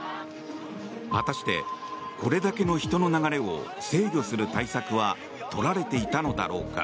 果たして、これだけの人の流れを制御する対策は取られていたのだろうか。